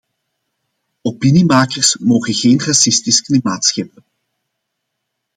Opiniemakers mogen geen racistisch klimaat scheppen.